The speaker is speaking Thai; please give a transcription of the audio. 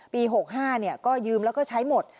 ๖๕ก็ยืมแล้วก็ใช้หมด